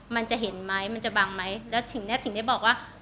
มันจะเห็นไหมมันจะบังไหมแล้วถึงเนี้ยถึงได้บอกว่า